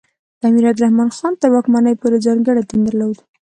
د امیر عبدالرحمان خان تر واکمنۍ پورې ځانګړی دین درلود.